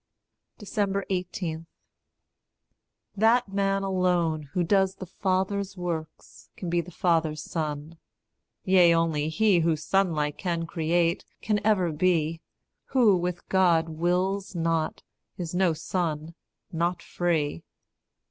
18. That man alone who does the Father's works Can be the Father's son; yea, only he Who sonlike can create, can ever be; Who with God wills not, is no son, not free.